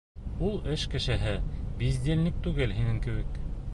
Ул эш кешеһе, бездельник түгел һинең кеүек!